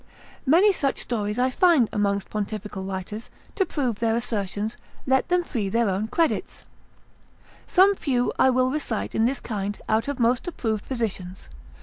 Many such stories I find amongst pontifical writers, to prove their assertions, let them free their own credits; some few I will recite in this kind out of most approved physicians.